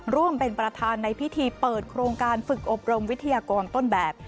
ร่วมเป็นประธานในพิธีเปิดโครงการฝึกอบรมวิทยากรต้นแบบ